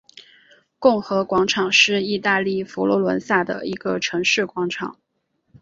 共和广场是意大利佛罗伦萨的一个城市广场。